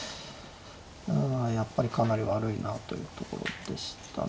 あやっぱりかなり悪いなというところでしたね。